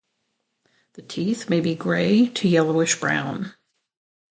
The teeth may be gray to yellowish brown.